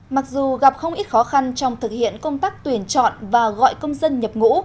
mặc dù gặp không ít khó khăn trong thực hiện công tác tuyển chọn và gọi công dân nhập ngũ